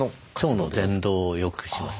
腸のぜん動をよくします。